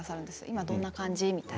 今どんな感じ？って